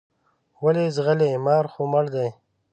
ولې ځغلې مار خو مړ دی.